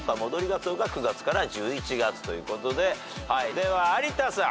では有田さん。